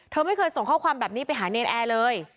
เธอไม่เคยส่งข้อความแบบนี้เป็นชายนีรแอลเลย